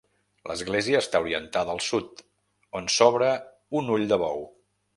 L'església està orientada al sud, on s'obre un ull de bou.